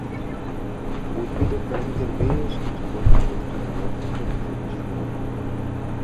উদ্ভিদ ও প্রাণীদের বেশ কিছু প্রধান গোষ্ঠীর বিবর্তন ঘটেছে সমুদ্রে।